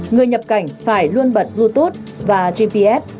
người nhập cảnh phải luôn bật bluetooth và gps